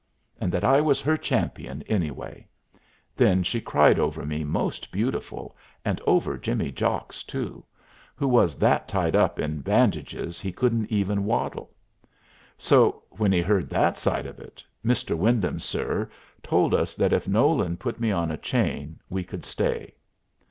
And that I was her champion, anyway. Then, she cried over me most beautiful, and over Jimmy Jocks, too, who was that tied up in bandages he couldn't even waddle. So when he heard that side of it, "Mr. Wyndham, sir," told us that if Nolan put me on a chain we could stay.